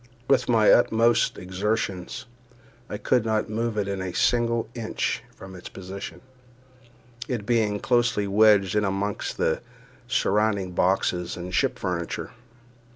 With my utmost exertions I could not move it a single inch from its position, it being closely wedged in among the surrounding boxes and ship furniture.